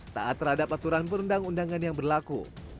taat terhadap aturan perundang undangan yang berlaku